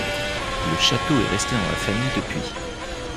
Le château est resté dans la famille depuis.